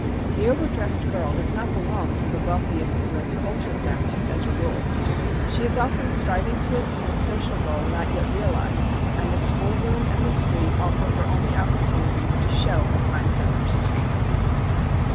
The overdressed girl does not belong to the wealthiest and most cultured families as a rule. She is often striving to attain a social goal not yet realized and the school room and the street offer her only opportunities to show her fine feathers.